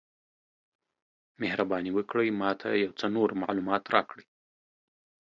مهرباني وکړئ ما ته یو څه نور معلومات راکړئ؟